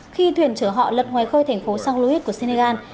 khi thuyền chở họ lật ngoài khơi thành phố san luis của senegal